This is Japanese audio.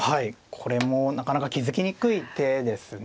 これもなかなか気付きにくい手ですね。